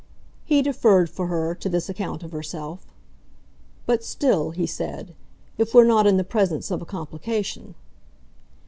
He deferred, for her, to this account of herself. "But still," he said, "if we're not in the presence of a complication."